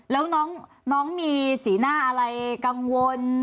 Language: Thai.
แล้วน้องมีสีหน้าอะไรกังวล